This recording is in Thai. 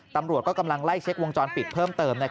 ตำรวจก็กำลังไล่เช็ควงจรปิดเพิ่มเติม